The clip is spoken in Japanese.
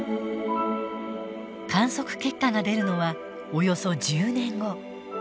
観測結果が出るのはおよそ１０年後。